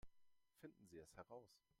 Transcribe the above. Finden Sie es heraus!